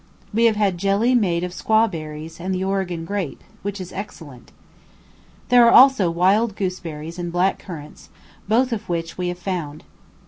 We have had jelly made of squawberries and the Oregon grape, which is excellent. There are also wild gooseberries and black currants, both of which we have found.